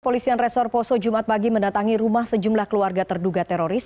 polisian resor poso jumat pagi mendatangi rumah sejumlah keluarga terduga teroris